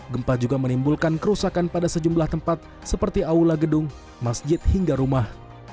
gempa juga menimbulkan kerusakan pada sejumlah tempat seperti aula gedung masjid hingga rumah